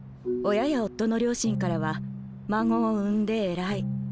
親や夫の両親からは「孫を産んで偉い」。